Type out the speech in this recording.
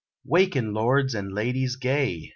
Waken, lords and ladies gay!